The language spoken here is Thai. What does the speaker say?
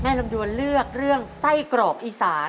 ลำดวนเลือกเรื่องไส้กรอกอีสาน